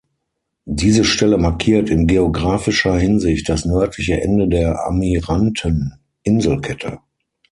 Diese Stelle markiert in geografischer Hinsicht das nördliche Ende der Amiranten-Inselkette.